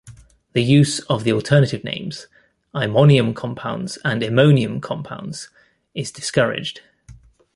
The use of the alternative names imonium compounds and immonium compounds is discouraged.